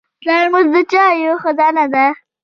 ترموز د چایو خزانه ده.